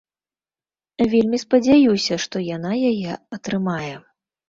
Вельмі спадзяюся, што яна яе атрымае.